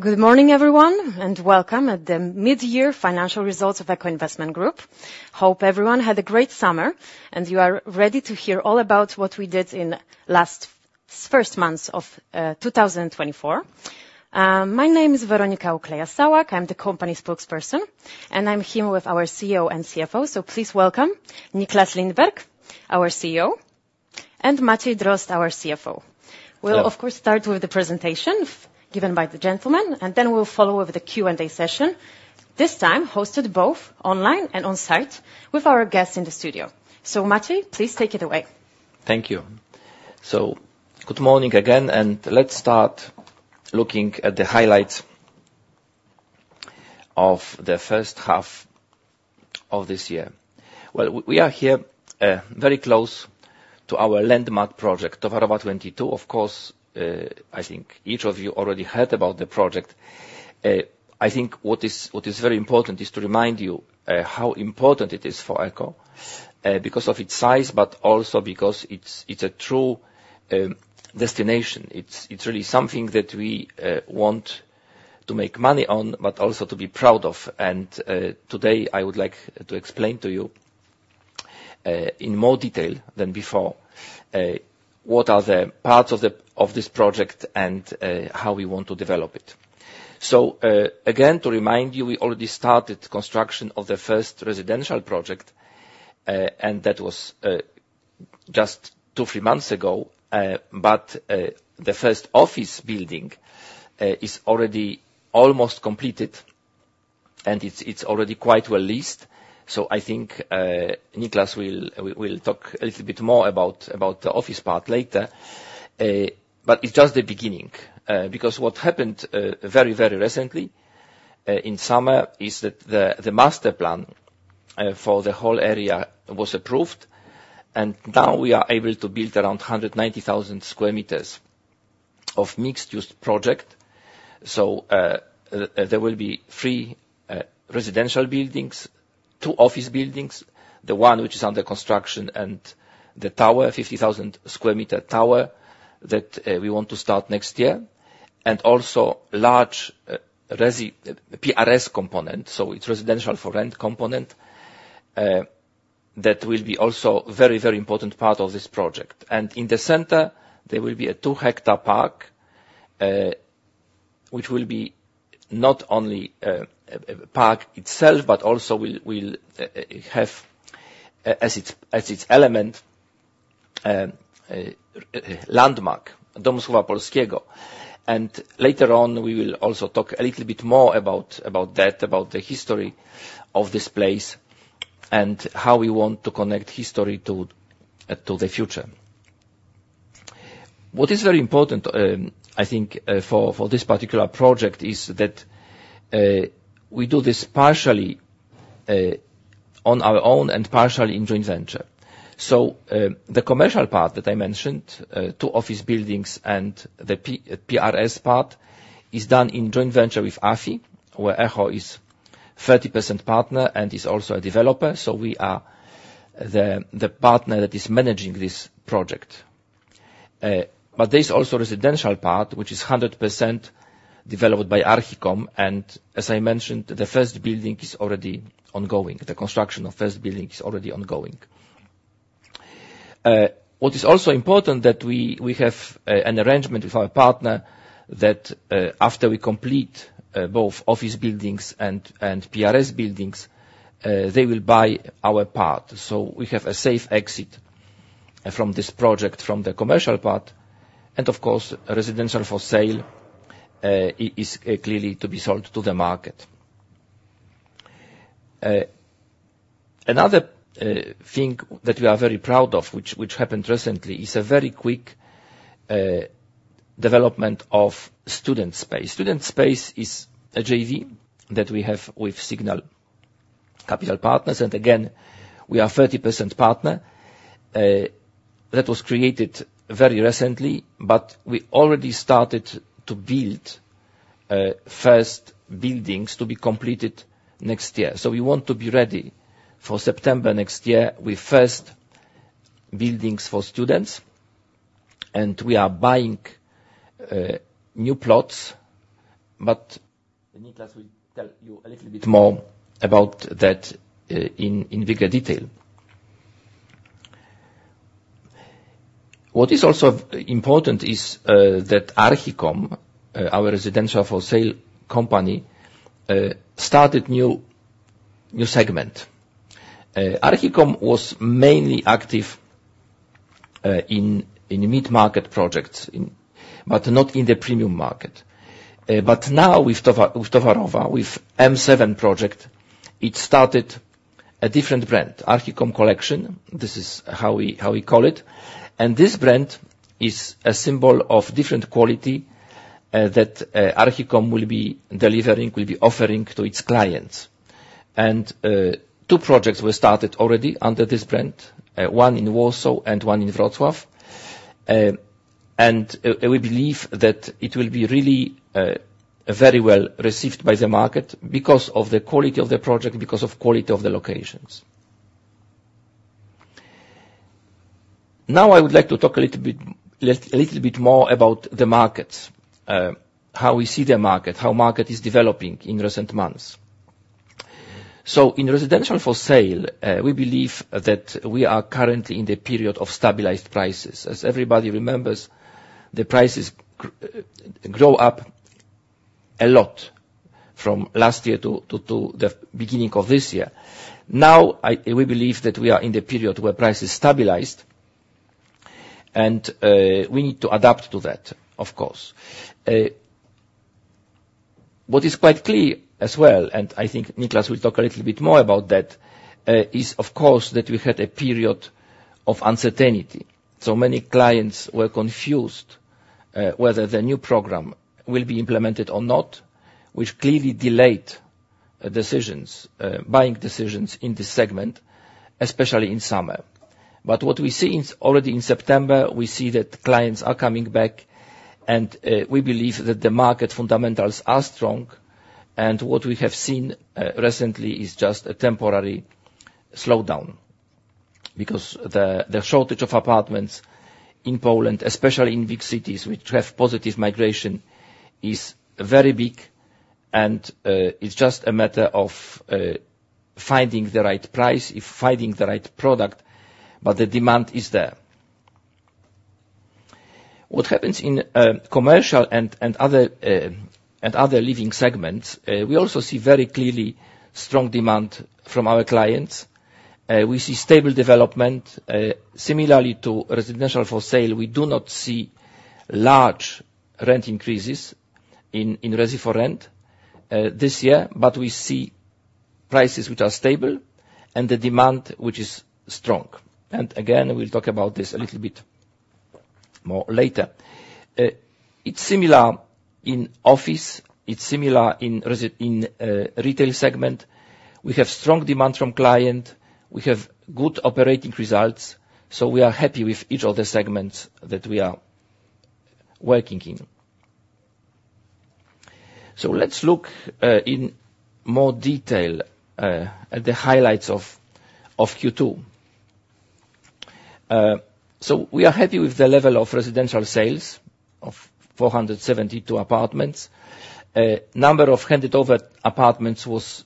Good morning, everyone, and welcome to the mid-year financial results of Echo Investment Group. Hope everyone had a great summer, and you are ready to hear all about what we did in the first months of 2024. My name is Weronika Ukleja-Sałak. I'm the company spokesperson, and I'm here with our CEO and CFO. So please welcome Nicklas Lindberg, our CEO, and Maciej Drozd, our CFO. Hello. will, of course, start with the presentation given by the gentleman, and then we will follow with the Q&A session, this time hosted both online and on-site with our guests in the studio, so Maciej, please take it away. Thank you. Good morning again, and let's start looking at the highlights of the first half of this year. We are here, very close to our landmark project, Towarowa 22. Of course, I think each of you already heard about the project. I think what is very important is to remind you how important it is for Echo, because of its size, but also because it's a true destination. It's really something that we want to make money on, but also to be proud of. Today, I would like to explain to you in more detail than before what are the parts of this project and how we want to develop it. So, again, to remind you, we already started construction of the first residential project, and that was just two, three months ago, but the first office building is already almost completed, and it's already quite well leased. So I think Nicklas will talk a little bit more about the office part later. But it's just the beginning, because what happened very, very recently, in summer, is that the master plan for the whole area was approved, and now we are able to build around 190,000 sqm of mixed-use project. There will be three residential buildings, two office buildings, the one which is under construction, and the tower, 50,000 square meter tower that we want to start next year, and also large PRS component, so it's residential for rent component, that will be also very, very important part of this project. In the center, there will be a two-hectare park, which will be not only a park itself, but also will have as its element landmark, Dom Słowa Polskiego. Later on, we will also talk a little bit more about that, about the history of this place and how we want to connect history to the future. What is very important, I think, for this particular project, is that we do this partially on our own and partially in joint venture. So the commercial part that I mentioned, two office buildings and the PRS part, is done in joint venture with AFI, where Echo is 30% partner and is also a developer, so we are the partner that is managing this project. But there's also residential part, which is 100% developed by Archicom, and as I mentioned, the first building is already ongoing. The construction of first building is already ongoing. What is also important that we have an arrangement with our partner that after we complete both office buildings and PRS buildings, they will buy our part. We have a safe exit from this project, from the commercial part, and of course, residential for sale is clearly to be sold to the market. Another thing that we are very proud of, which happened recently, is a very quick development of Student Space. Student Space is a JV that we have with Signal Capital Partners, and again, we are 30% partner. That was created very recently, but we already started to build first buildings to be completed next year. We want to be ready for September next year with first buildings for students, and we are buying new plots, but Nicklas will tell you a little bit more about that in bigger detail. What is also important is that Archicom, our residential for sale company, started new segment. Archicom was mainly active in mid-market projects, but not in the premium market. But now with Towarowa, with M7 project, it started a different brand, Archicom Collection. This is how we call it. And this brand is a symbol of different quality that Archicom will be delivering, will be offering to its clients. And two projects were started already under this brand, one in Warsaw and one in Wrocław. And we believe that it will be really very well received by the market because of the quality of the project, because of quality of the locations. Now I would like to talk a little bit more about the market, how we see the market, how market is developing in recent months. So in residential for sale, we believe that we are currently in the period of stabilized prices. As everybody remembers, the prices grew up a lot from last year to the beginning of this year. Now, we believe that we are in the period where price is stabilized, and we need to adapt to that, of course. What is quite clear as well, and I think Nicklas will talk a little bit more about that, is, of course, that we had a period of uncertainty. So many clients were confused whether the new program will be implemented or not, which clearly delayed decisions, buying decisions in this segment, especially in summer. But what we see already in September, we see that clients are coming back, and we believe that the market fundamentals are strong, and what we have seen recently is just a temporary slowdown. Because the shortage of apartments in Poland, especially in big cities which have positive migration, is very big, and it's just a matter of finding the right price, or finding the right product, but the demand is there. What happens in commercial and other living segments, we also see very clearly strong demand from our clients. We see stable development. Similarly to residential for sale, we do not see large rent increases in Resi4Rent this year, but we see prices which are stable and the demand which is strong. Again, we'll talk about this a little bit more later. It's similar in office, it's similar in residential, in retail segment. We have strong demand from client, we have good operating results, so we are happy with each of the segments that we are working in. Let's look in more detail at the highlights of Q2. We are happy with the level of residential sales of 472 apartments. Number of handed-over apartments was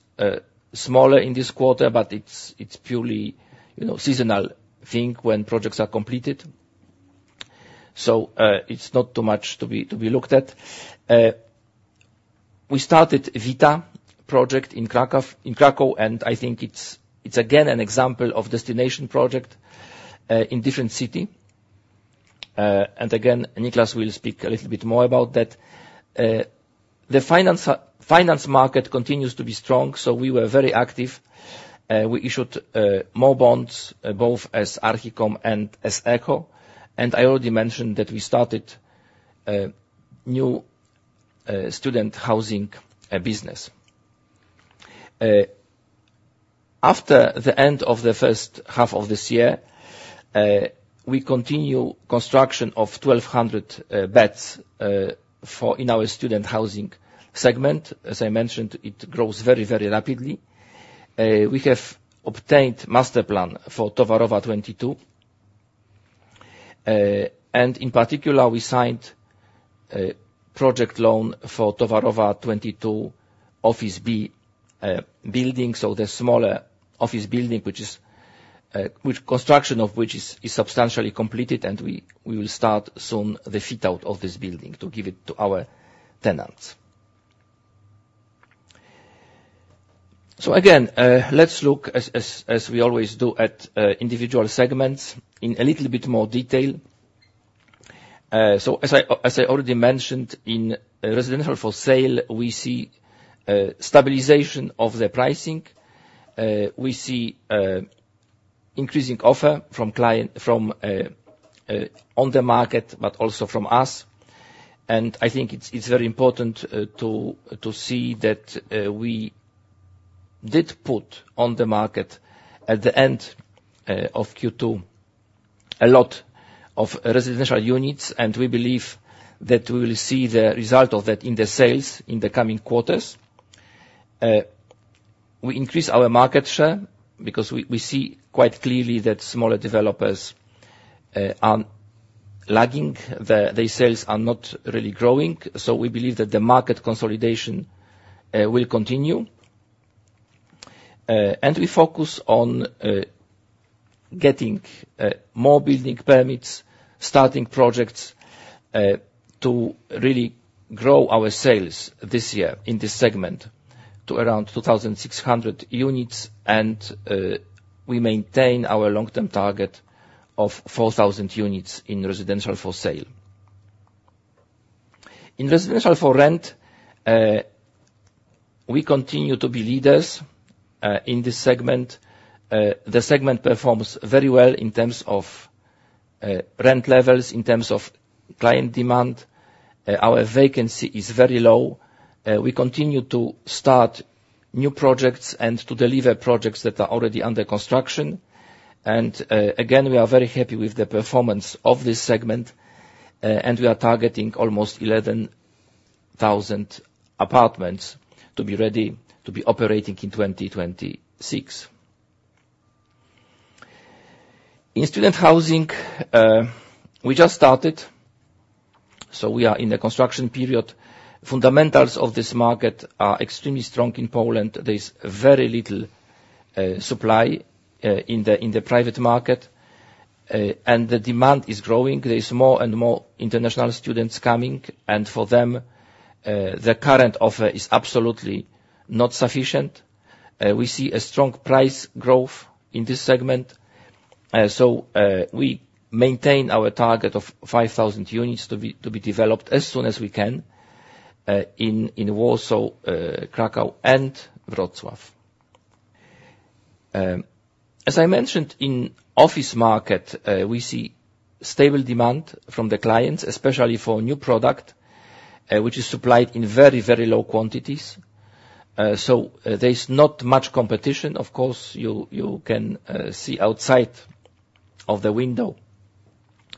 smaller in this quarter, but it's purely, you know, seasonal thing when projects are completed. It's not too much to be looked at. We started Vita project in Kraków, and I think it's again an example of destination project in different city. Again, Nicklas will speak a little bit more about that. The finance market continues to be strong, so we were very active. We issued more bonds both as Archicom and as Echo. And I already mentioned that we started a new student housing business. After the end of the first half of this year, we continue construction of 1,200 beds for our student housing segment. As I mentioned, it grows very, very rapidly. We have obtained master plan for Towarowa 22. And in particular, we signed a project loan for Towarowa 22, Office B building, so the smaller office building, which construction of which is substantially completed, and we will start soon the fit-out of this building to give it to our tenants. So again, let's look as we always do at individual segments in a little bit more detail. So as I already mentioned, in residential for sale, we see stabilization of the pricing. We see increasing offer from clients on the market, but also from us. And I think it's very important to see that we did put on the market at the end of Q2 a lot of residential units, and we believe that we will see the result of that in the sales in the coming quarters. We increase our market share because we see quite clearly that smaller developers are lagging, their sales are not really growing, so we believe that the market consolidation will continue. We focus on getting more building permits, starting projects, to really grow our sales this year in this segment to around 2,600 units, and we maintain our long-term target of 4,000 units in residential for sale. In residential for rent, we continue to be leaders in this segment. The segment performs very well in terms of rent levels, in terms of client demand. Our vacancy is very low. We continue to start new projects and to deliver projects that are already under construction. Again, we are very happy with the performance of this segment, and we are targeting almost 11,000 apartments to be ready, to be operating in 2026. In student housing, we just started, so we are in the construction period. Fundamentals of this market are extremely strong in Poland. There is very little supply in the private market, and the demand is growing. There is more and more international students coming, and for them, the current offer is absolutely not sufficient. We see a strong price growth in this segment. So, we maintain our target of 5,000 units to be developed as soon as we can in Warsaw, Kraków, and Wrocław. As I mentioned, in office market, we see stable demand from the clients, especially for new product, which is supplied in very, very low quantities. So there is not much competition. Of course, you can see outside of the window,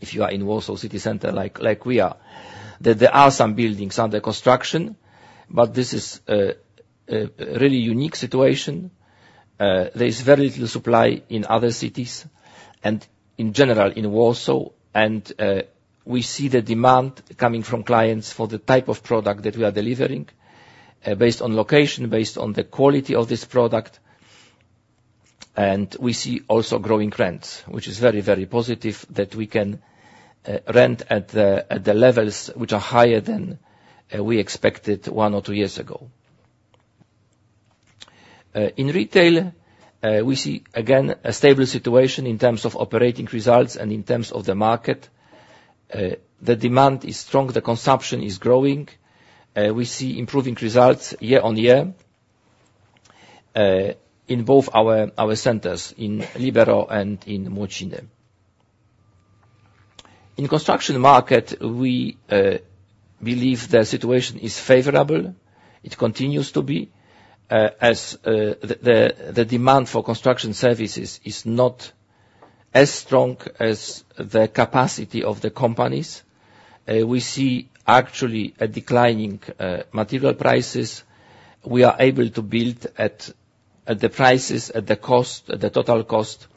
if you are in Warsaw city center like we are, that there are some buildings under construction, but this is a really unique situation. There is very little supply in other cities and in general, in Warsaw. And we see the demand coming from clients for the type of product that we are delivering, based on location, based on the quality of this product. And we see also growing rents, which is very, very positive that we can rent at the levels which are higher than we expected one or two years ago. In retail, we see again, a stable situation in terms of operating results and in terms of the market. The demand is strong, the consumption is growing. We see improving results year on year in both our centers, in Libero and in Młociny. In construction market, we believe the situation is favorable. It continues to be as the demand for construction services is not as strong as the capacity of the companies. We see actually a declining material prices. We are able to build at the prices, at the cost, at the total cost,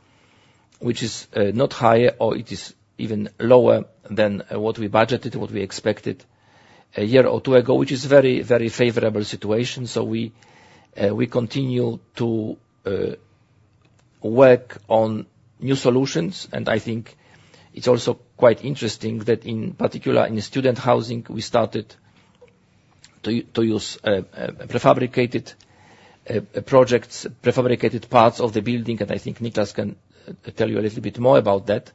which is not higher, or it is even lower than what we budgeted, what we expected a year or two ago, which is very, very favorable situation. We continue to work on new solutions, and I think it's also quite interesting that in particular, in student housing, we started to use prefabricated projects, prefabricated parts of the building, and I think Nicklas can tell you a little bit more about that.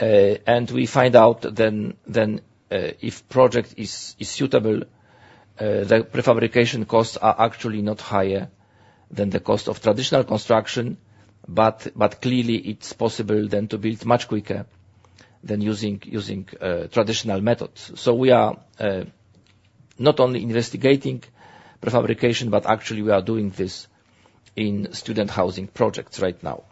We find out then if project is suitable, the prefabrication costs are actually not higher than the cost of traditional construction, but clearly, it's possible then to build much quicker than using traditional methods. We are not only investigating prefabrication, but actually we are doing this in student housing projects right now.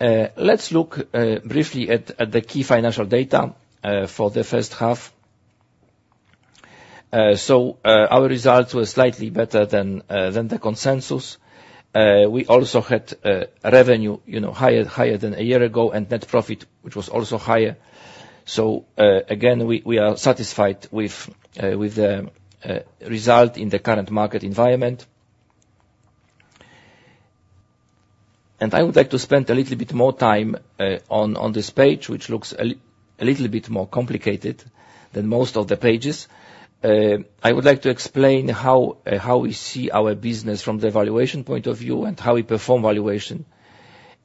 Let's look briefly at the key financial data for the first half. Our results were slightly better than the consensus. We also had revenue, you know, higher than a year ago, and net profit, which was also higher. So again, we are satisfied with the result in the current market environment. I would like to spend a little bit more time on this page, which looks a little bit more complicated than most of the pages. I would like to explain how we see our business from the valuation point of view and how we perform valuation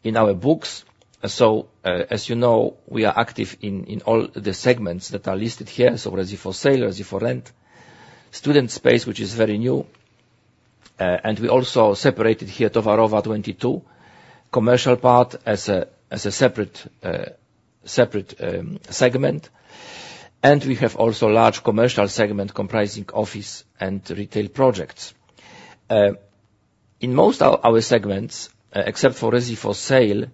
in our books. So as you know, we are active in all the segments that are listed here, so Resi for sale, Resi4Rent, Student Space, which is very new. And we also separated here Towarowa 22, commercial part as a separate segment. We have also large commercial segment comprising office and retail projects. In most of our segments, except for Resi for sale,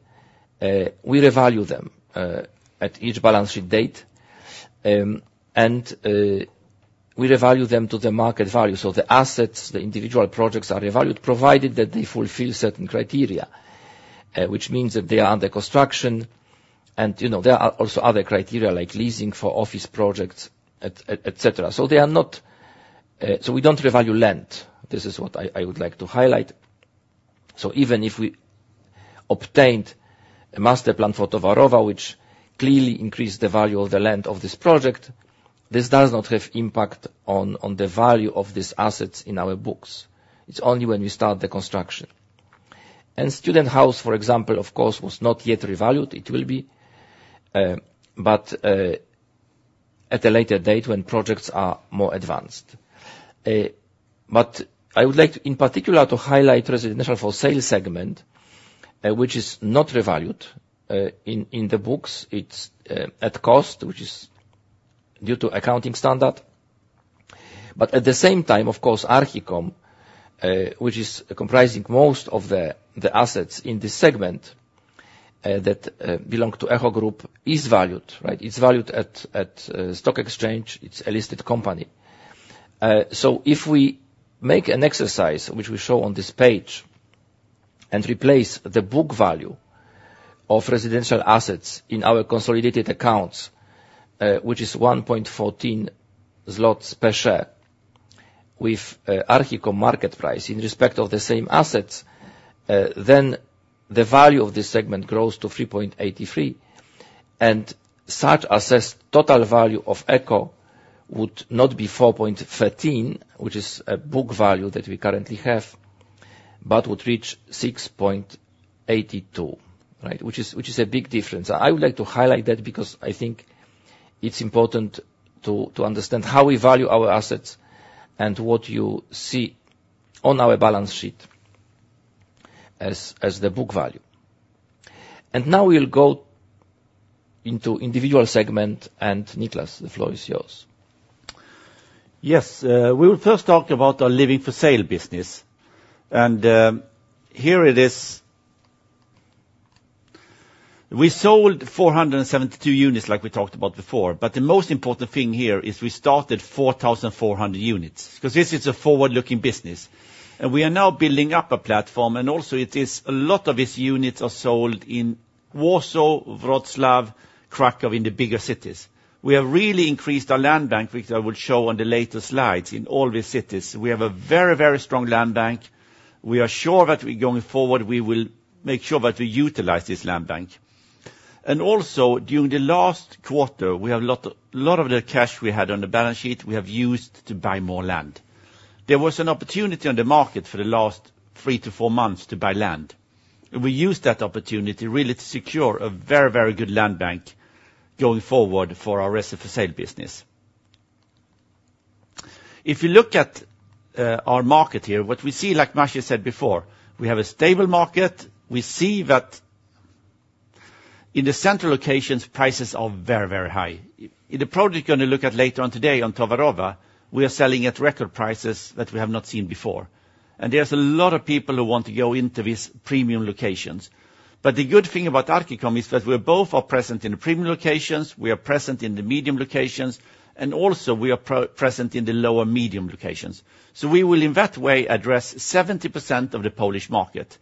we revalue them at each balance sheet date. We revalue them to the market value. The assets, the individual projects are revalued, provided that they fulfill certain criteria, which means that they are under construction. You know, there are also other criteria like leasing for office projects, et cetera. They are not, so we don't revalue land. This is what I would like to highlight. Even if we obtained a master plan for Towarowa, which clearly increased the value of the land of this project, this does not have impact on the value of these assets in our books. It's only when we start the construction. Student Space, for example, of course, was not yet revalued. It will be, but at a later date when projects are more advanced. I would like to, in particular, to highlight residential for sale segment, which is not revalued in the books. It's at cost, which is due to accounting standard. At the same time, of course, Archicom, which is comprising most of the assets in this segment that belong to Echo Group, is valued, right? It's valued at stock exchange. It's a listed company. So if we make an exercise, which we show on this page, and replace the book value of residential assets in our consolidated accounts, which is 1.14 zlotys per share, with Archicom market price in respect of the same assets, then the value of this segment grows to 3.83. And such assessed total value of Echo would not be 4.13, which is a book value that we currently have, but would reach 6.82, right? Which is a big difference. I would like to highlight that because I think it's important to understand how we value our assets and what you see on our balance sheet as the book value. And now we'll go into individual segment, and Nicklas, the floor is yours. Yes, we will first talk about our living for sale business. Here it is. We sold 472 units, like we talked about before, but the most important thing here is we started 4,400 units, because this is a forward-looking business, and we are now building up a platform, and also it is a lot of these units are sold in Warsaw, Wrocław, Kraków, in the bigger cities. We have really increased our land bank, which I will show on the later slides, in all these cities. We have a very, very strong land bank. We are sure that going forward, we will make sure that we utilize this land bank, and also during the last quarter, we have a lot of the cash we had on the balance sheet; we have used to buy more land. There was an opportunity on the market for the last three to four months to buy land, and we used that opportunity really to secure a very, very good land bank going forward for our Resi for sale business. If you look at our market here, what we see, like Maciej said before, we have a stable market. We see that in the central locations, prices are very, very high. In the project you're going to look at later on today on Towarowa, we are selling at record prices that we have not seen before. And there's a lot of people who want to go into these premium locations. But the good thing about Archicom is that we both are present in the premium locations, we are present in the medium locations, and also we are present in the lower-medium locations. So we will, in that way, address 70% of the Polish market.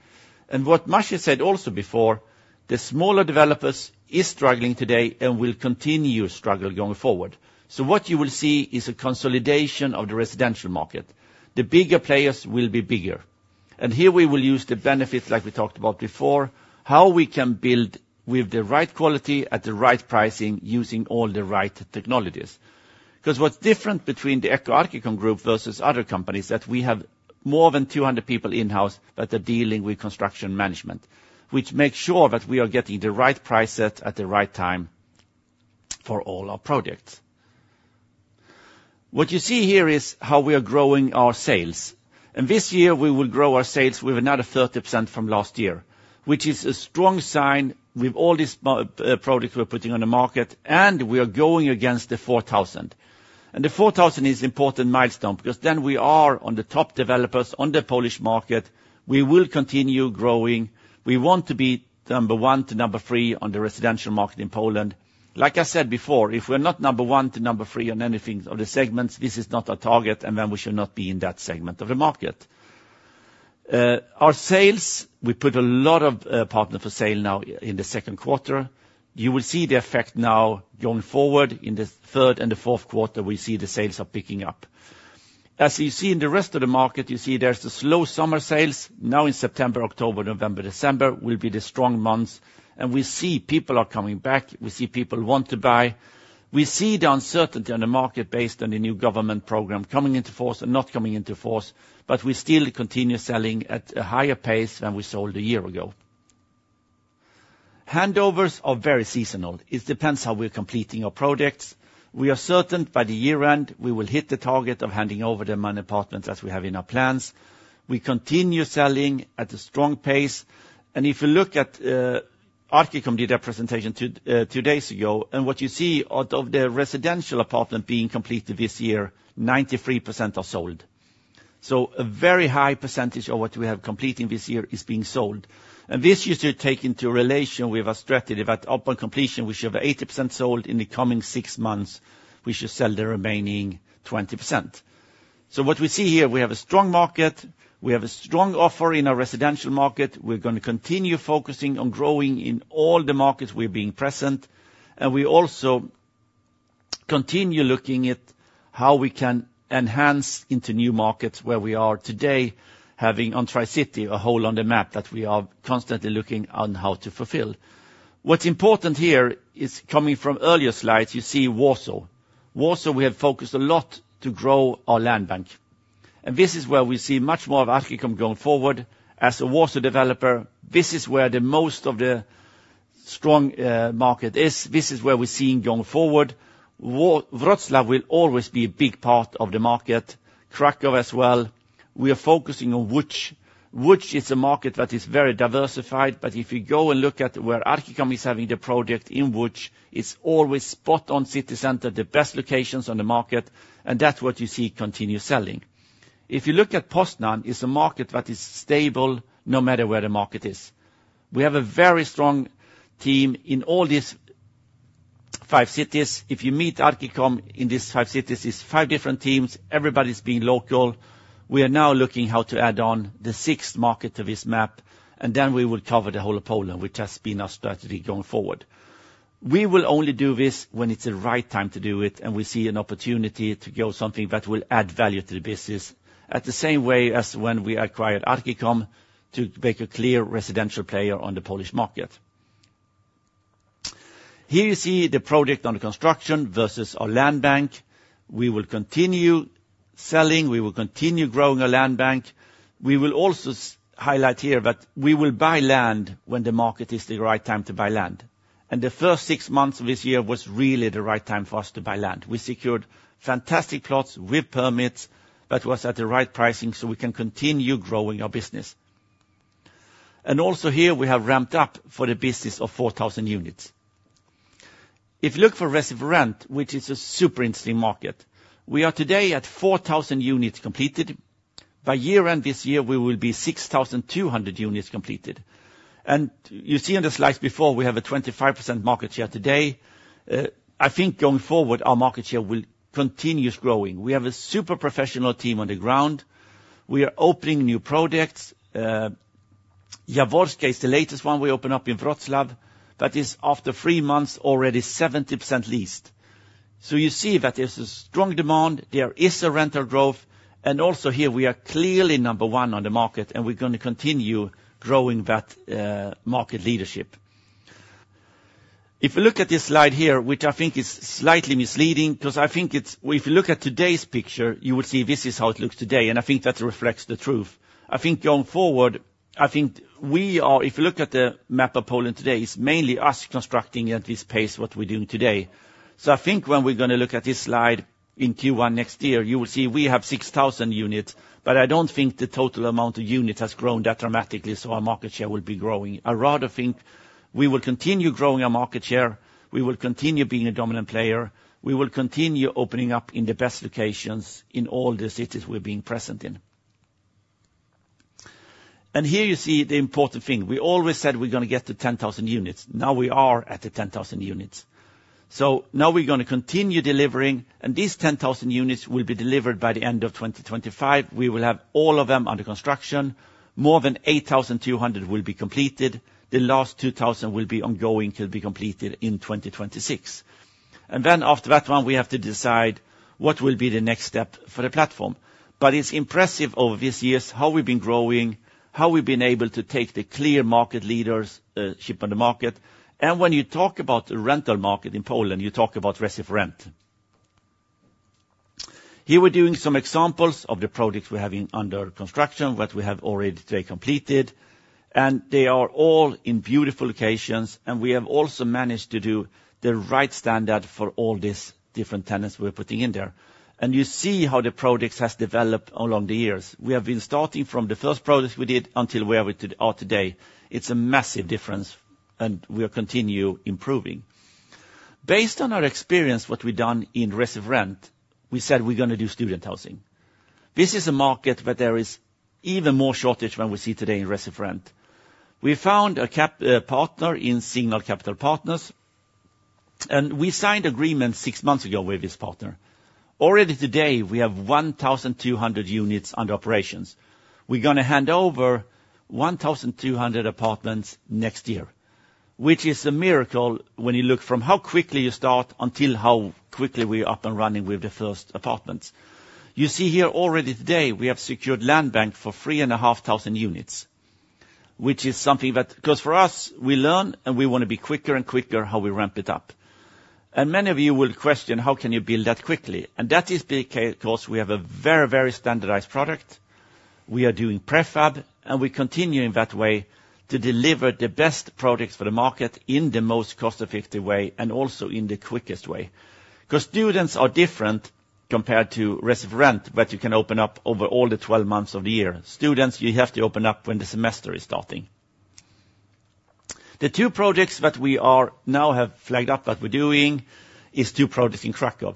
And what Maciej said also before, the smaller developers is struggling today and will continue to struggle going forward. So what you will see is a consolidation of the residential market. The bigger players will be bigger. And here we will use the benefits, like we talked about before, how we can build with the right quality at the right pricing using all the right technologies. Because what's different between the Echo Archicom Group versus other companies, that we have more than 200 people in-house that are dealing with construction management, which makes sure that we are getting the right price set at the right time for all our projects. What you see here is how we are growing our sales. This year, we will grow our sales with another 30% from last year, which is a strong sign with all these products we're putting on the market, and we are going against the 4,000. The 4,000 is important milestone because then we are on the top developers on the Polish market. We will continue growing. We want to be number 1 to number 3 on the residential market in Poland. Like I said before, if we're not number 1 to number 3 on anything of the segments, this is not our target, and then we should not be in that segment of the market. Our sales, we put a lot of apartments for sale now in the second quarter. You will see the effect now going forward. In the third and the fourth quarter, we see the sales are picking up. As you see in the rest of the market, you see there's the slow summer sales. Now in September, October, November, December will be the strong months, and we see people are coming back, we see people want to buy. We see the uncertainty on the market based on the new government program coming into force and not coming into force, but we still continue selling at a higher pace than we sold a year ago. Handovers are very seasonal. It depends how we're completing our products. We are certain by the year end, we will hit the target of handing over the amount of apartments as we have in our plans. We continue selling at a strong pace. If you look at Archicom did a presentation two days ago, and what you see out of the residential apartment being completed this year, 93% are sold. So a very high percentage of what we have completed this year is being sold. And this you should take into relation with our strategy that upon completion, we should have 80% sold. In the coming six months, we should sell the remaining 20%. So what we see here, we have a strong market, we have a strong offer in our residential market. We're going to continue focusing on growing in all the markets we're being present, and we also continue looking at how we can enhance into new markets where we are today, having on Tri-City, a hole on the map that we are constantly looking on how to fulfill. What's important here is coming from earlier slides, you see Warsaw. Warsaw, we have focused a lot to grow our land bank. And this is where we see much more of Archicom going forward. As a Warsaw developer, this is where the most of the strong market is. This is where we're seeing going forward. Wrocław will always be a big part of the market, Kraków as well... We are focusing on which is a market that is very diversified. But if you go and look at where Archicom is having the project in which, it's always spot on city center, the best locations on the market, and that's what you see continue selling. If you look at Poznań, it's a market that is stable, no matter where the market is. We have a very strong team in all these five cities. If you meet Archicom in these five cities, it's five different teams, everybody's being local. We are now looking how to add on the sixth market to this map, and then we will cover the whole of Poland, which has been our strategy going forward. We will only do this when it's the right time to do it, and we see an opportunity to go something that will add value to the business, at the same way as when we acquired Archicom to make a clear residential player on the Polish market. Here you see the project under construction versus our land bank. We will continue selling, we will continue growing our land bank. We will also highlight here that we will buy land when the market is the right time to buy land. The first six months of this year was really the right time for us to buy land. We secured fantastic plots with permits, that was at the right pricing, so we can continue growing our business. And also here, we have ramped up for the business of 4,000 units. If you look for Resi4Rent, which is a super interesting market, we are today at 4,000 units completed. By year-end this year, we will be 6,200 units completed. And you see on the slides before, we have a 25% market share today. I think going forward, our market share will continue growing. We have a super professional team on the ground. We are opening new projects. Jaworska is the latest one we open up in Wrocław. That is, after three months, already 70% leased. So you see that there's a strong demand, there is a rental growth, and also here we are clearly number one on the market, and we're gonna continue growing that market leadership. If you look at this slide here, which I think is slightly misleading, because I think it's-- if you look at today's picture, you will see this is how it looks today, and I think that reflects the truth. I think going forward, I think we are, if you look at the map of Poland today, it's mainly us constructing at this pace what we're doing today. So I think when we're gonna look at this slide in Q1 next year, you will see we have 6,000 units, but I don't think the total amount of units has grown that dramatically, so our market share will be growing. I rather think we will continue growing our market share, we will continue being a dominant player, we will continue opening up in the best locations in all the cities we're being present in. And here you see the important thing. We always said we're gonna get to 10,000 units. Now we are at the 10,000 units. So now we're gonna continue delivering, and these 10,000 units will be delivered by the end of 2025. We will have all of them under construction. More than 8,200 will be completed. The last 2,000 will be ongoing, to be completed in 2026. And then after that one, we have to decide what will be the next step for the platform. But it's impressive over these years, how we've been growing, how we've been able to take the clear market leader position on the market. And when you talk about the rental market in Poland, you talk about Resi4Rent. Here we're doing some examples of the products we're having under construction, what we have already today completed, and they are all in beautiful locations. And we have also managed to do the right standard for all these different tenants we're putting in there. And you see how the products has developed along the years. We have been starting from the first products we did until where we are today. It's a massive difference, and we are continue improving. Based on our experience, what we've done in Resi4Rent, we said we're gonna do student housing. This is a market where there is even more shortage than we see today in Resi4Rent. We found a key partner in Signal Capital Partners, and we signed agreement six months ago with this partner. Already today, we have 1,200 units under operations. We're gonna hand over 1,200 apartments next year, which is a miracle when you look from how quickly you start until how quickly we are up and running with the first apartments. You see here already today, we have secured land bank for 3,500 units, which is something that... Because for us, we learn, and we want to be quicker and quicker how we ramp it up. And many of you will question, how can you build that quickly? And that is because we have a very, very standardized product. We are doing prefab, and we continue in that way to deliver the best products for the market in the most cost-effective way and also in the quickest way. Because students are different compared to Resi4Rent, but you can open up over all the twelve months of the year. Students, you have to open up when the semester is starting. The two projects that we now have flagged up that we're doing are two projects in Kraków.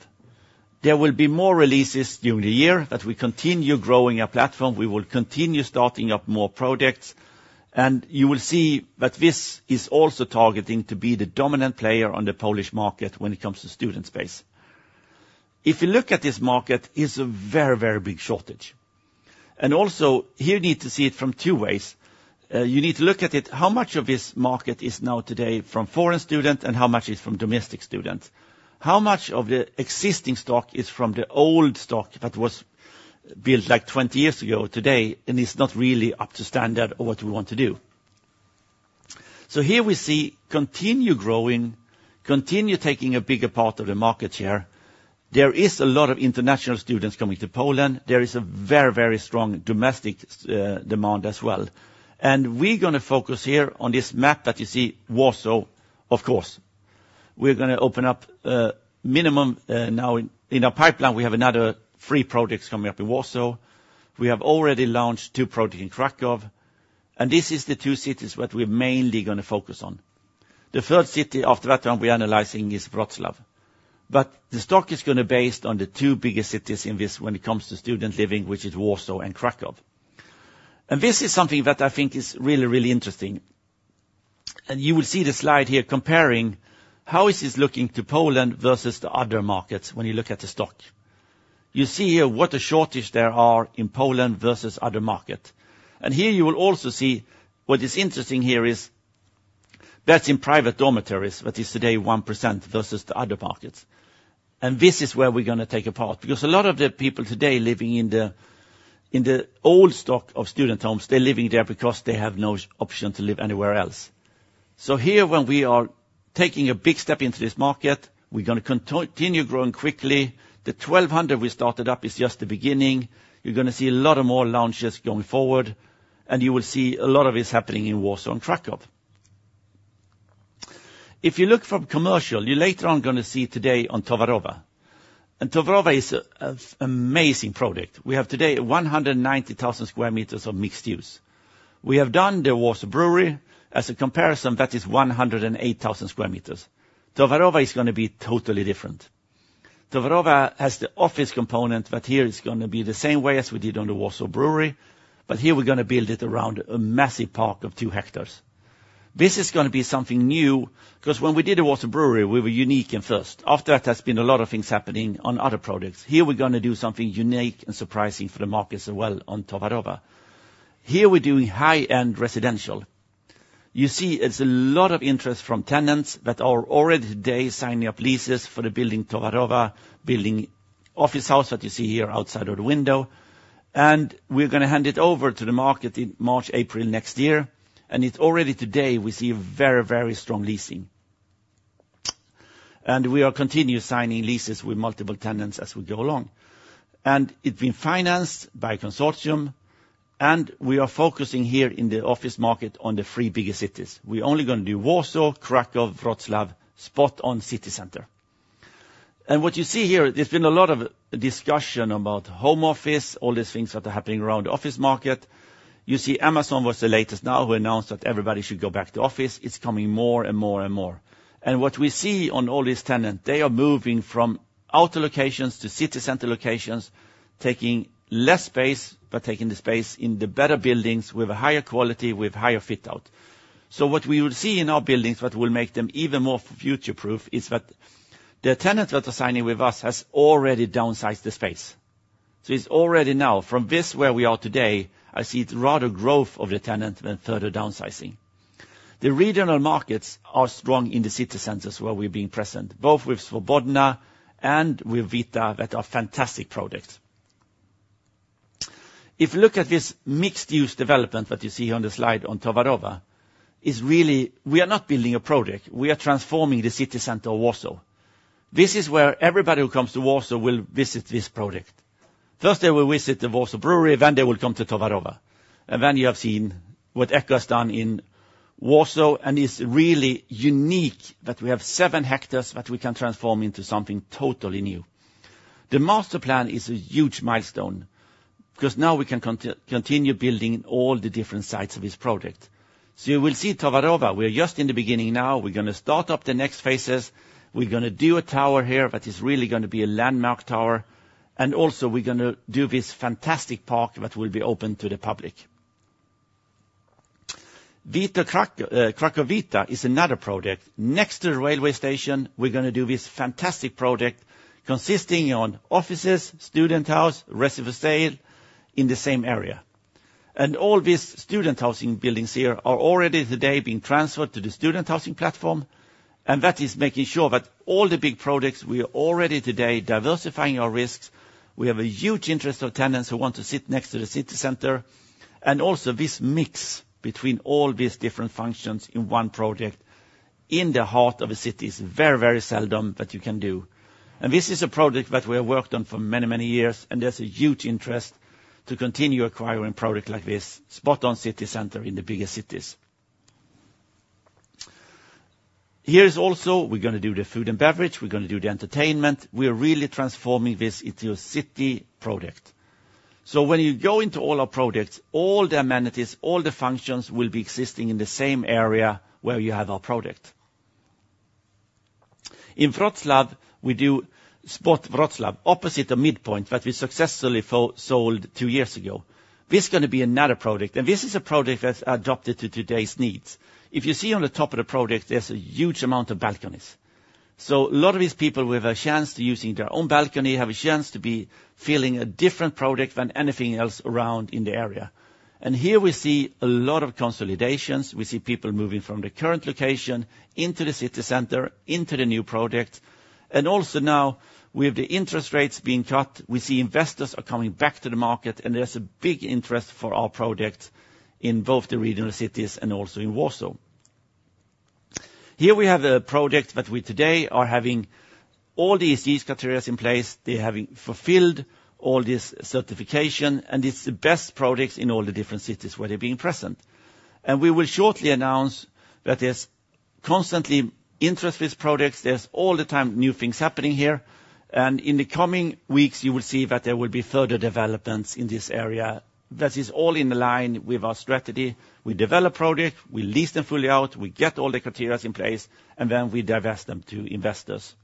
There will be more releases during the year, but we continue growing our platform. We will continue starting up more projects, and you will see that this is also targeting to be the dominant player on the Polish market when it comes to Student Space. If you look at this market, it's a very, very big shortage, and also here you need to see it from two ways. You need to look at it, how much of this market is now today from foreign student and how much is from domestic students? How much of the existing stock is from the old stock that was built, like, 20 years ago today, and it's not really up to standard or what we want to do? Here we see continue growing, continue taking a bigger part of the market share. There is a lot of international students coming to Poland. There is a very, very strong domestic demand as well. We're gonna focus here on this map that you see, Warsaw, of course. We're going to open up, minimum, now in our pipeline, we have another three projects coming up in Warsaw. We have already launched two projects in Kraków, and this is the two cities that we're mainly going to focus on. The third city after that one we're analyzing is Wrocław. But the stock is going to based on the two biggest cities in this when it comes to student living, which is Warsaw and Kraków. And this is something that I think is really, really interesting. And you will see the slide here comparing how is this looking to Poland versus the other markets when you look at the stock. You see here what the shortage there are in Poland versus other market. And here you will also see what is interesting here is that in private dormitories, that is today 1% versus the other markets. And this is where we're going to take a part, because a lot of the people today living in the, in the old stock of student homes, they're living there because they have no option to live anywhere else. Here, when we are taking a big step into this market, we're going to continue growing quickly. The 1,200 we started up is just the beginning. You're going to see a lot of more launches going forward, and you will see a lot of it's happening in Warsaw and Kraków. If you look from commercial, you later on going to see today on Towarowa. Towarowa is a, an amazing product. We have today 190,000 sq m of mixed use. We have done the Warsaw Brewery. As a comparison, that is 108,000 sq m. Towarowa is going to be totally different. Towarowa has the office component, but here it's going to be the same way as we did on the Warsaw Brewery, but here we're going to build it around a massive park of two hectares. This is going to be something new, because when we did the Warsaw Brewery, we were unique and first. After that, there's been a lot of things happening on other products. Here, we're going to do something unique and surprising for the market as well on Towarowa. Here, we're doing high-end residential. You see, it's a lot of interest from tenants that are already today signing up leases for the building Towarowa, building Office House that you see here outside of the window. And we're going to hand it over to the market in March, April next year. And it's already today, we see a very, very strong leasing. And we are continue signing leases with multiple tenants as we go along. And it's been financed by consortium, and we are focusing here in the office market on the three biggest cities. We're only going to do Warsaw, Kraków, Wrocław, spot on city center. And what you see here, there's been a lot of discussion about home office, all these things that are happening around the office market. You see, Amazon was the latest now who announced that everybody should go back to office. It's coming more and more and more. And what we see on all these tenants, they are moving from outer locations to city center locations, taking less space, but taking the space in the better buildings with a higher quality, with higher fit-out. So what we will see in our buildings, what will make them even more future-proof, is that the tenants that are signing with us has already downsized the space. So it's already now, from this where we are today, I see it rather growth of the tenant than further downsizing. The regional markets are strong in the city centers where we've been present, both with Swobodna and with Vita, that are fantastic products. If you look at this mixed-use development that you see on the slide on Towarowa, is really. We are not building a project, we are transforming the city center of Warsaw. This is where everybody who comes to Warsaw will visit this project. First, they will visit the Warsaw Brewery, then they will come to Towarowa. And then you have seen what Echo has done in Warsaw, and it's really unique that we have seven hectares that we can transform into something totally new. The master plan is a huge milestone, because now we can continue building all the different sites of this project. So you will see Towarowa, we are just in the beginning now. We're going to start up the next phases. We're going to do a tower here that is really going to be a landmark tower, and also we're going to do this fantastic park that will be open to the public. Vita Kraków-Vita is another project. Next to the railway station, we're going to do this fantastic project consisting on offices, student house, Resi for sale in the same area. And all these student housing buildings here are already today being transferred to the student housing platform, and that is making sure that all the big projects, we are already today diversifying our risks. We have a huge interest of tenants who want to sit next to the city center. And also this mix between all these different functions in one project in the heart of a city is very, very seldom that you can do. This is a project that we have worked on for many, many years, and there's a huge interest to continue acquiring products like this, spot on city center in the bigger cities. Here is also, we're going to do the food and beverage, we're going to do the entertainment. We are really transforming this into a city project. So when you go into all our products, all the amenities, all the functions will be existing in the same area where you have our product. In Wrocław, we do Swobodna SPOT, opposite the MidPoint that we successfully sold two years ago. This is going to be another project, and this is a project that's adopted to today's needs. If you see on the top of the project, there's a huge amount of balconies. A lot of these people with a chance to using their own balcony have a chance to be feeling a different product than anything else around in the area. Here we see a lot of consolidations. We see people moving from the current location into the city center, into the new project. Also now, with the interest rates being cut, we see investors are coming back to the market, and there's a big interest for our project in both the regional cities and also in Warsaw. Here we have a project that we today are having all these criteria in place. They're having fulfilled all this certification, and it's the best products in all the different cities where they're being present. We will shortly announce that there's constantly interest with products. There's all the time new things happening here, and in the coming weeks, you will see that there will be further developments in this area. That is all in the line with our strategy. We develop project, we lease them fully out, we get all the criteria in place, and then we divest them to investors.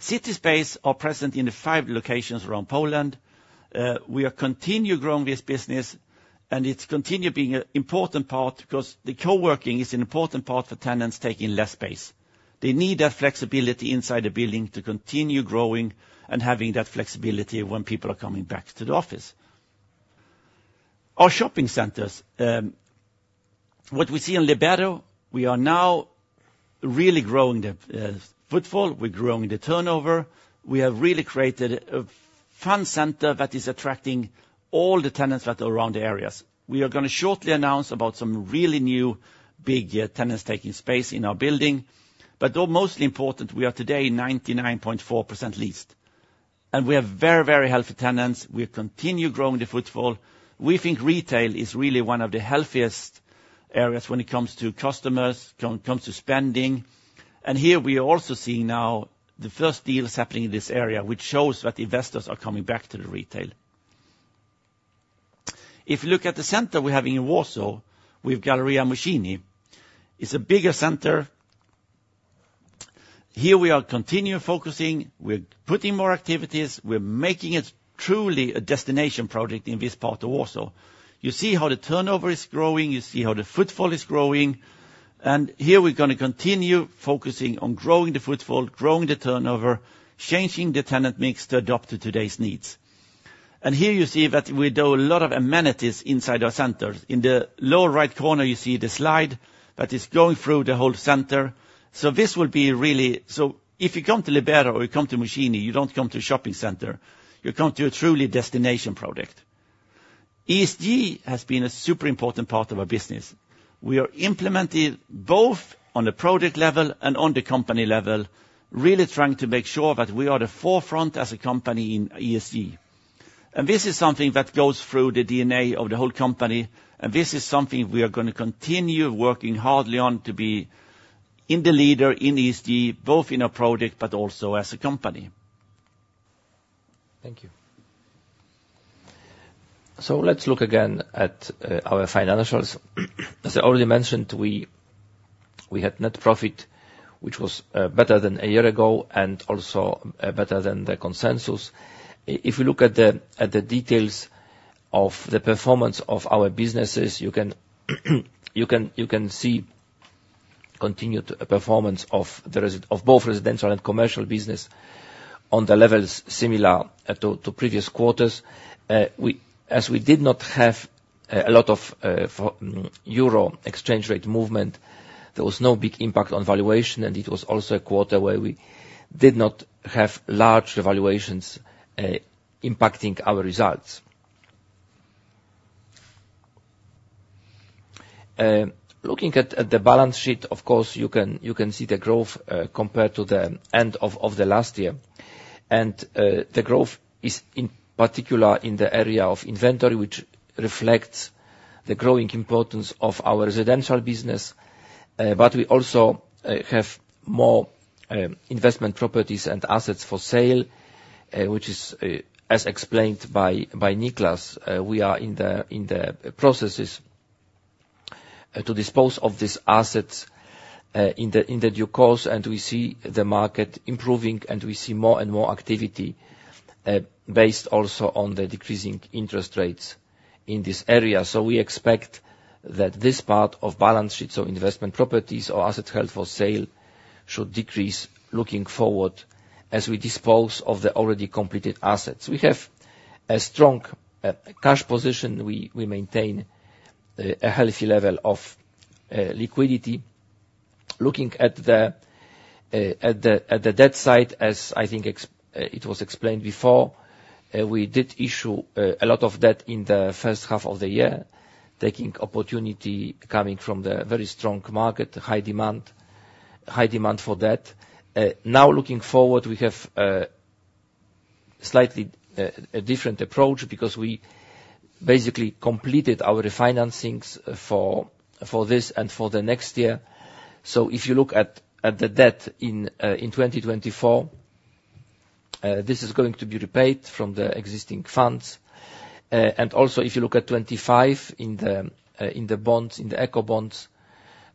CitySpace are present in the five locations around Poland. We are continue growing this business, and it's continued being an important part because the co-working is an important part for tenants taking less space. They need that flexibility inside the building to continue growing and having that flexibility when people are coming back to the office. Our shopping centers, what we see in Libero, we are now really growing the footfall, we're growing the turnover. We have really created a fun center that is attracting all the tenants that are around the areas. We are gonna shortly announce about some really new, big, tenants taking space in our building. But though mostly important, we are today 99.4% leased, and we have very, very healthy tenants. We continue growing the footfall. We think retail is really one of the healthiest areas when it comes to customers, comes to spending. And here we are also seeing now the first deals happening in this area, which shows that investors are coming back to the retail. If you look at the center we're having in Warsaw, with Galeria Młociny, it's a bigger center. Here we are continuing focusing, we're putting more activities, we're making it truly a destination project in this part of Warsaw. You see how the turnover is growing, you see how the footfall is growing, and here we're gonna continue focusing on growing the footfall, growing the turnover, changing the tenant mix to adapt to today's needs. And here you see that we do a lot of amenities inside our centers. In the lower right corner, you see the slide that is going through the whole center. So if you come to Libero or you come to Młociny, you don't come to a shopping center, you come to a truly destination product. ESG has been a super important part of our business. We are implementing both on the project level and on the company level, really trying to make sure that we are the forefront as a company in ESG. This is something that goes through the DNA of the whole company, and this is something we are gonna continue working hard on to be the leader in ESG, both in our project but also as a company. Thank you. So let's look again at our financials. As I already mentioned, we had net profit, which was better than a year ago and also better than the consensus. If you look at the details of the performance of our businesses, you can see continued performance of both residential and commercial business on levels similar to previous quarters. As we did not have a lot of euro exchange rate movement, there was no big impact on valuation, and it was also a quarter where we did not have large revaluations impacting our results. Looking at the balance sheet, of course, you can see the growth compared to the end of the last year. The growth is in particular in the area of inventory, which reflects the growing importance of our residential business. But we also have more investment properties and assets for sale, which is, as explained by Nicklas, we are in the processes to dispose of these assets in due course, and we see the market improving, and we see more and more activity based also on the decreasing interest rates in this area. We expect that this part of balance sheet, so investment properties or assets held for sale, should decrease looking forward as we dispose of the already completed assets. We have a strong cash position. We maintain a healthy level of liquidity. Looking at the debt side, as I think it was explained before, we did issue a lot of debt in the first half of the year, taking opportunity coming from the very strong market, high demand for debt. Now, looking forward, we have slightly a different approach because we basically completed our refinancings for this and for the next year. So if you look at the debt in 2024, this is going to be repaid from the existing funds. And also, if you look at 2025 in the bonds, in the Echo bonds,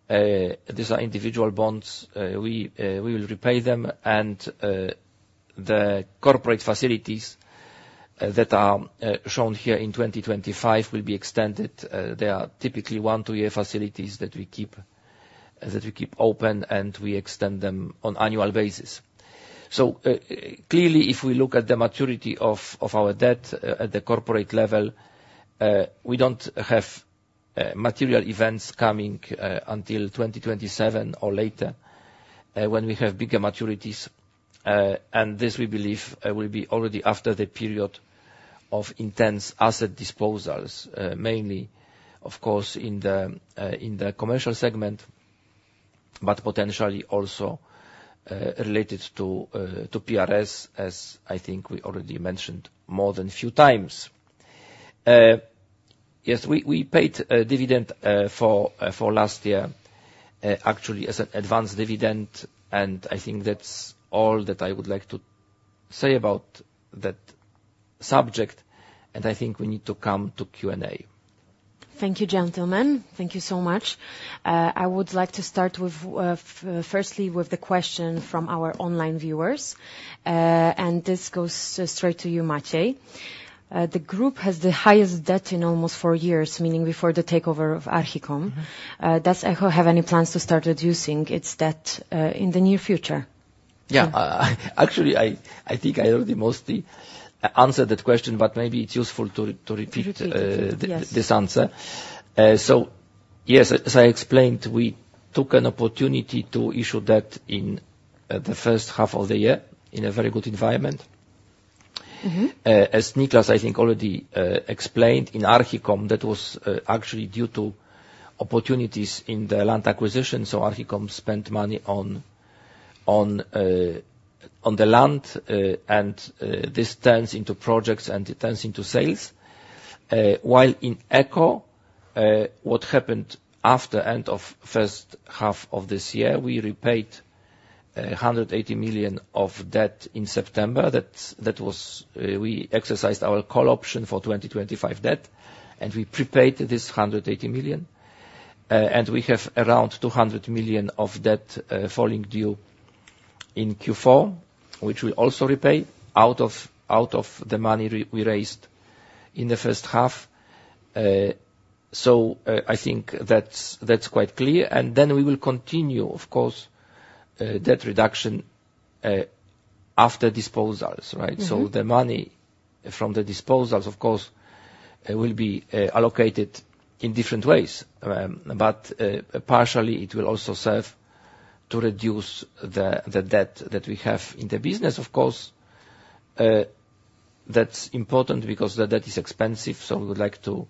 these are individual bonds, we will repay them. And the corporate facilities that are shown here in 2025 will be extended. They are typically one-year facilities that we keep open, and we extend them on an annual basis. So, clearly, if we look at the maturity of our debt at the corporate level, we don't have material events coming until 2027 or later, when we have bigger maturities, and this, we believe, will be already after the period of intense asset disposals, mainly, of course, in the commercial segment, but potentially also related to PRS, as I think we already mentioned more than a few times. Yes, we paid a dividend for last year, actually as an advanced dividend, and I think that's all that I would like to say about that subject, and I think we need to come to Q&A. Thank you, gentlemen. Thank you so much. I would like to start with, firstly, with the question from our online viewers. This goes straight to you, Maciej. The group has the highest debt in almost four years, meaning before the takeover of Archicom. Mm-hmm. Does Echo have any plans to start reducing its debt in the near future? Yeah. Actually, I think I already mostly answered that question, but maybe it's useful to repeat- To repeat, yes.... this answer, so yes, as I explained, we took an opportunity to issue debt in the first half of the year in a very good environment. Mm-hmm. As Nicklas, I think, already explained, in Archicom, that was actually due to opportunities in the land acquisition, so Archicom spent money on the land, and this turns into projects, and it turns into sales. While in Echo, what happened after end of first half of this year, we repaid 180 million of debt in September. That was. We exercised our call option for 2025 debt, and we prepaid this 180 million, and we have around 200 million of debt falling due in Q4, which we'll also repay out of the money we raised in the first half. I think that's quite clear. We will continue, of course, debt reduction after disposals, right? Mm-hmm. So the money from the disposals, of course, will be allocated in different ways. But partially, it will also serve to reduce the debt that we have in the business. Of course, that's important because the debt is expensive, so we would like to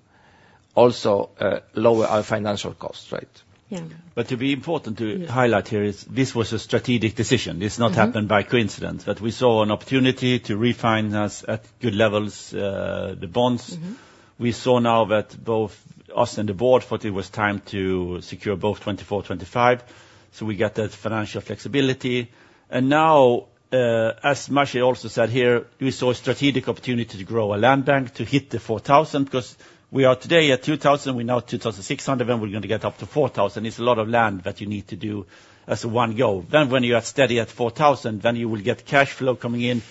also lower our financial costs, right? Yeah. But it will be important- Yeah... to highlight here is, this was a strategic decision. Mm-hmm. This not happened by coincidence. That we saw an opportunity to refinance at good levels, the bonds. Mm-hmm. We saw now that both us and the board thought it was time to secure both 2024, 2025, so we get that financial flexibility. Now, as Maciej also said here, we saw a strategic opportunity to grow a land bank to hit the 4,000, because we are today at 2,000, we're now at 2,600, and we're going to get up to 4,000. It's a lot of land that you need to do as a one go. Then when you are steady at 4,000, you will get cash flow coming in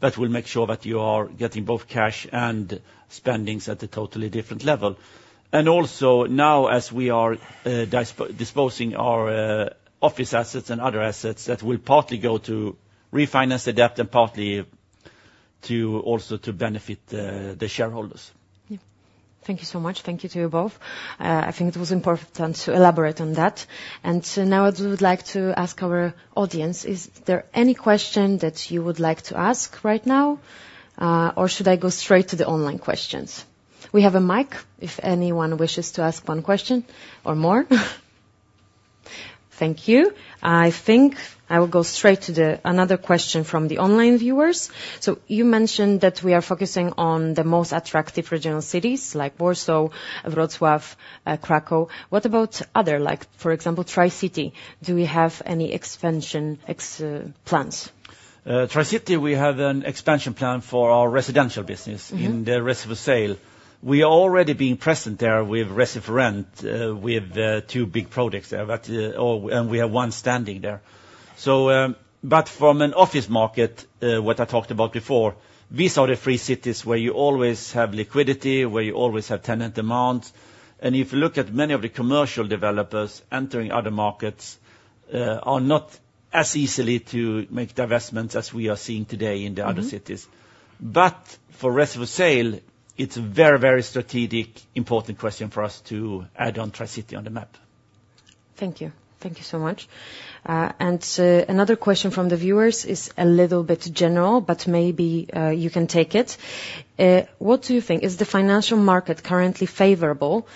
that will make sure that you are getting both cash and spendings at a totally different level. Also, now, as we are disposing our office assets and other assets, that will partly go to refinance the debt and partly to also to benefit the shareholders. Yeah. Thank you so much. Thank you to you both. I think it was important to elaborate on that. And now I would like to ask our audience: Is there any question that you would like to ask right now, or should I go straight to the online questions? We have a mic if anyone wishes to ask one question or more. Thank you. I think I will go straight to another question from the online viewers. So you mentioned that we are focusing on the most attractive regional cities, like Warsaw, Wrocław, Kraków. What about other, like, for example, Tri-City? Do we have any expansion plans? Tri-City, we have an expansion plan for our residential business- Mm-hmm in the Resi for sale. We are already being present there with Resi4Rent, with, two big projects there, but, and we have one standing there. So, but from an office market, what I talked about before, these are the three cities where you always have liquidity, where you always have tenant demand. And if you look at many of the commercial developers entering other markets, are not as easily to make divestments as we are seeing today in the other cities. Mm-hmm. But for Resi for sale, it's a very, very strategic, important question for us to add on Tri-City on the map. Thank you. Thank you so much. And another question from the viewers is a little bit general, but maybe you can take it. What do you think? Is the financial market currently favorable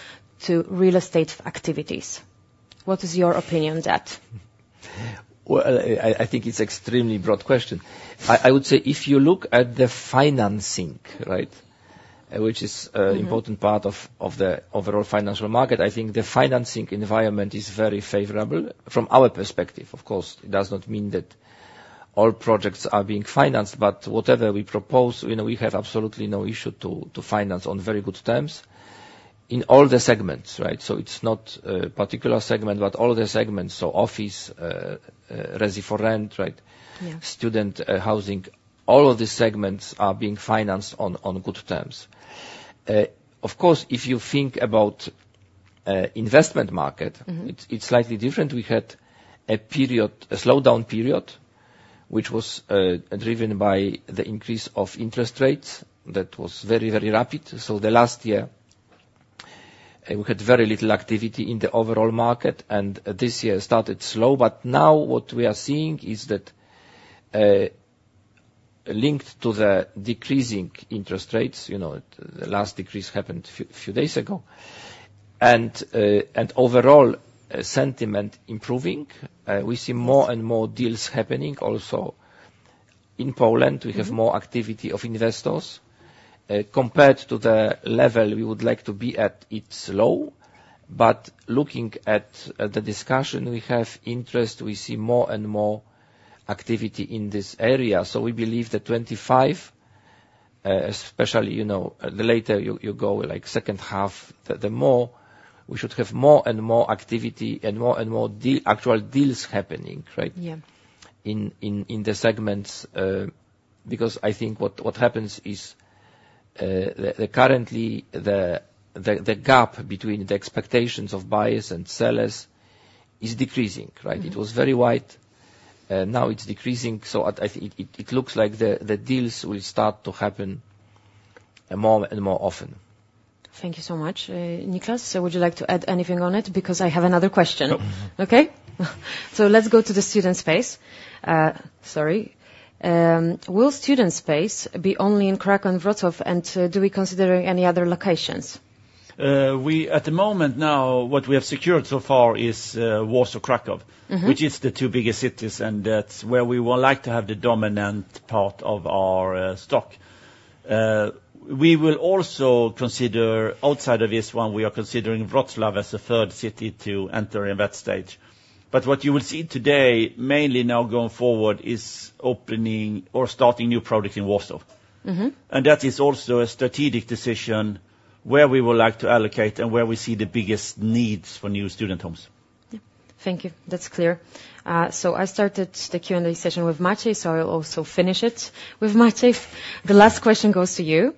to real estate activities? What is your opinion on that? I think it's extremely broad question. I would say if you look at the financing, right? Which is- Mm-hmm... an important part of the overall financial market. I think the financing environment is very favorable from our perspective. Of course, it does not mean that all projects are being financed, but whatever we propose, you know, we have absolutely no issue to finance on very good terms in all the segments, right? So it's not a particular segment, but all the segments. So office, Resi4Rent, right? Yeah. Student housing, all of these segments are being financed on good terms. Of course, if you think about investment market- Mm-hmm It's slightly different. We had a period, a slowdown period, which was driven by the increase of interest rates. That was very, very rapid, so the last year and we had very little activity in the overall market, and this year started slow, but now what we are seeing is that, linked to the decreasing interest rates, you know, the last decrease happened a few days ago and overall sentiment improving, we see more and more deals happening also in Poland. Mm-hmm. We have more activity of investors. Compared to the level we would like to be at, it's low, but looking at the discussion, we have interest. We see more and more activity in this area. So we believe that 2025, especially, you know, the later you go, like second half, the more we should have more and more activity and more and more actual deals happening, right? Yeah. In the segments, because I think what happens is, currently the gap between the expectations of buyers and sellers is decreasing, right? Mm-hmm. It was very wide, now it's decreasing, so I think it looks like the deals will start to happen more and more often. Thank you so much. Nicklas, so would you like to add anything on it? Because I have another question. No. Okay. So let's go to the Student Space. Sorry. Will Student Space be only in Kraków and Wrocław, and do we consider any other locations? We at the moment now, what we have secured so far is, Warsaw, Kraków. Mm-hmm. Which is the two biggest cities, and that's where we would like to have the dominant part of our stock. We will also consider outside of this one, we are considering Wrocław as a third city to enter in that stage. But what you will see today, mainly now going forward, is opening or starting new project in Warsaw. Mm-hmm. That is also a strategic decision, where we would like to allocate and where we see the biggest needs for new student homes. Yeah. Thank you. That's clear. So I started the Q&A session with Maciej, so I'll also finish it with Maciej. The last question goes to you.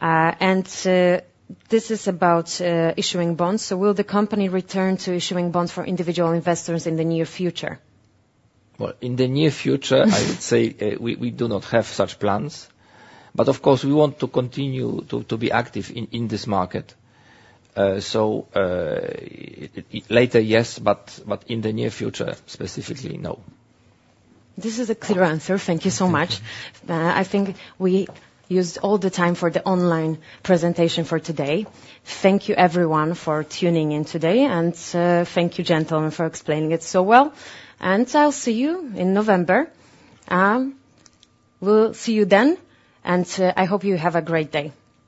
And this is about issuing bonds. So will the company return to issuing bonds for individual investors in the near future? In the near future, I would say, we do not have such plans, but of course, we want to continue to be active in this market. So, later, yes, but in the near future, specifically, no. This is a clear answer. Yeah. Thank you so much. Thank you. I think we used all the time for the online presentation for today. Thank you, everyone, for tuning in today, and thank you, gentlemen, for explaining it so well. And I'll see you in November. We'll see you then, and I hope you have a great day.